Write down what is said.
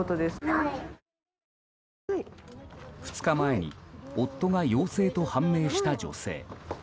２日前に夫が陽性と判明した女性。